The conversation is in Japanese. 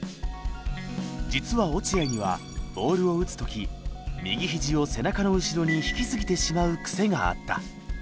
実は落合にはボールを打つ時右肘を背中の後ろに引き過ぎてしまう癖があった。